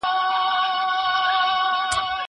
هغه څوک چي سبزېجات تياروي روغ وي!!